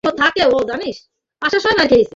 না, কখনো না।